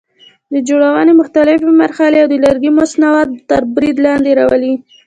د جوړونې مختلفې مرحلې او د لرګي مصنوعات تر برید لاندې راولي.